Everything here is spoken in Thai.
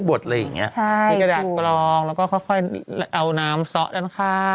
ใช่จริงมีกระดาษกลองแล้วก็ค่อยเอาน้ำเซาะด้านข้าง